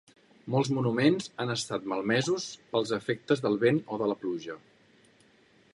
Molts monuments han estat malmesos pels efectes del vent o de la pluja.